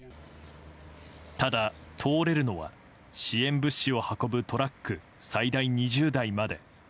ただ、通れるのは支援物資を運ぶトラック最大２０台まで。